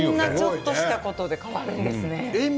ちょっとしたことで変わるんですね。